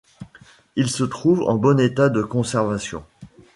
Ils se trouvent en bon état de conservation.